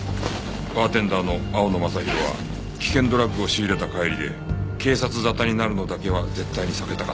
バーテンダーの青野昌弘は危険ドラッグを仕入れた帰りで警察沙汰になるのだけは絶対に避けたかった。